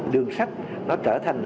đường sách nó trở thành